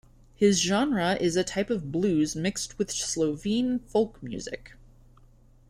His genre is a type of blues mixed with Slovene folk music.